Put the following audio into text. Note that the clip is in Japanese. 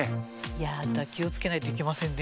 やだ気をつけないといけませんね